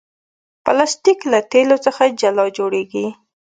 پلاستيک له تیلو څخه جوړېږي.